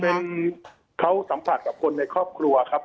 เป็นเขาสัมผัสกับคนในครอบครัวครับ